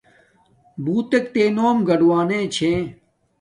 بݸتݵک تݺ نݸم گَڑُوݳݣݺ چھݺ